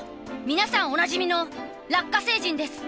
皆さんおなじみのラッカ星人です。